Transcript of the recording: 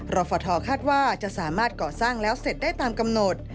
รฟทคาดว่าจะสามารถก่อสร้างแล้วเสร็จได้ตามกำหนด